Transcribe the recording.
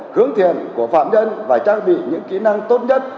hướng thiện của phạm nhân phải trang bị những kỹ năng tốt nhất